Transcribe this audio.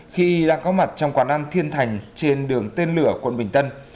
khi đã có mặt trong quán ăn thiên thành trên đường tên lửa quận bình tân